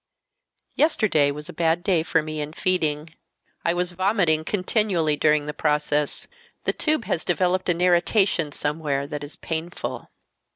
"Yesterday was a bad day for me in feeding. I was vomiting continually during the process. The tube has developed an irritation somewhere that is painful.